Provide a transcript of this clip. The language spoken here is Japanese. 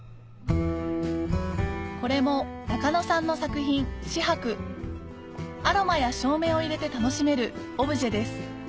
これも中野さんの作品アロマや照明を入れて楽しめるオブジェです